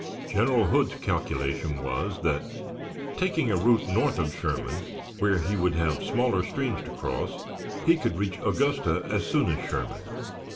General Hood's calculation was that, taking a route north of Sherman, where he would have smaller streams to cross, he could reach Augusta as soon as Sherman.